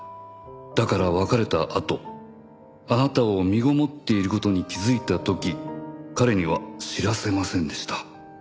「だから別れた後あなたを身籠もっていることに気づいたとき彼には知らせませんでした」